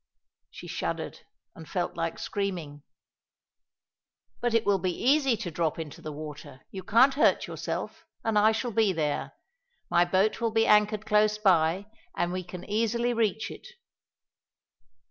She shuddered, and felt like screaming. "But it will be easy to drop into the water; you can't hurt yourself, and I shall be there. My boat will be anchored close by, and we can easily reach it."